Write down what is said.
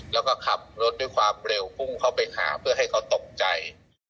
แล้วก็ขับรถด้วยความเร็วพุ่งเข้าไปหาเพื่อให้เขาตกใจ